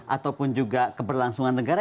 ataupun juga keberlangsungan negara